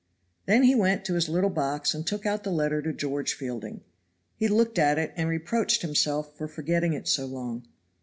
Then he went to his little box and took out the letter to George Fielding. He looked at it and reproached himself for forgetting it so long.